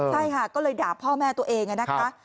ใช่ค่ะก็เลยด่าพ่อแม่ตัวเองนะคะ